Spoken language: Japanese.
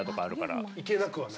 いけなくはない？